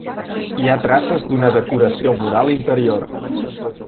Hi ha traces d'una decoració mural interior.